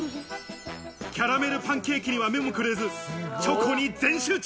キャラメルパンケーキには目もくれずチョコに全集中。